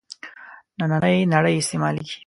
نننۍ نړۍ استعمالېږي.